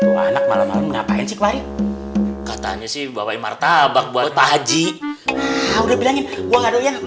malam malam ngapain sih katanya sih bawa martabak buat haji udah bilangin